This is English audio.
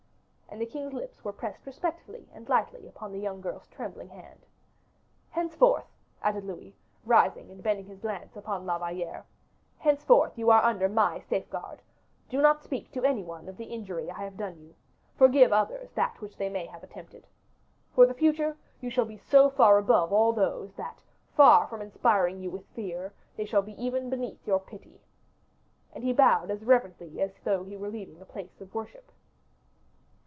And the king's lips were pressed respectfully and lightly upon the young girl's trembling hand. "Henceforth," added Louis, rising and bending his glance upon La Valliere, "henceforth you are under my safeguard. Do not speak to any one of the injury I have done you, forgive others that which they may have attempted. For the future, you shall be so far above all those, that, far from inspiring you with fear, they shall be even beneath your pity." And he bowed as reverently as though he were leaving a place of worship.